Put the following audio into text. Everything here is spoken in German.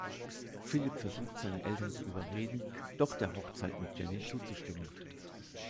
Phillip versucht seine Eltern zu überreden, doch der Hochzeit mit Jenny zuzustimmen.